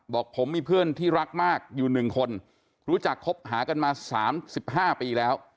บอกผมมีเพื่อนที่รักมากอยู่หนึ่งคนรู้จักคบหากันมาสามสิบห้าปีแล้ว